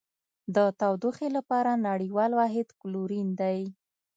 د تودوخې لپاره نړیوال واحد کلوین دی.